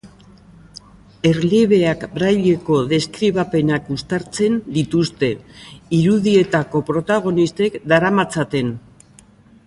Erliebeak brailleko deskribapenak uztartzen dituzte, irudietako protagonistek daramatzaten arropak azaltzeko.